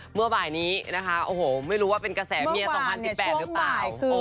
เมื่อบ่ายนี้นะคะโอ้โหไม่รู้ว่าเป็นกระแสเมีย๒๐๑๘หรือเปล่า